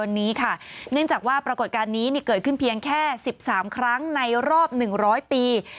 เนื่องจากว่าปรากฏการณ์นี้เกิดขึ้นเพียงแค่๑๓ครั้งในรอบ๑๐๐ปี